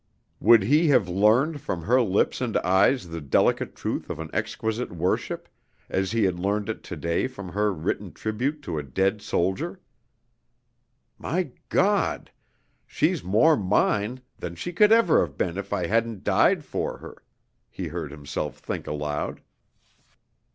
Would he have learned from her lips and eyes the delicate truth of an exquisite worship, as he had learned it to day from her written tribute to a dead soldier? "My God! She's more mine than she could ever have been if I hadn't died for her!" he heard himself think aloud.